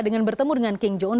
dengan bertemu dengan king jong un